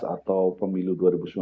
atau pemilu dua ribu sembilan belas